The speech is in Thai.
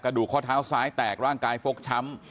ดูข้อเท้าซ้ายแตกร่างกายฟกช้ำ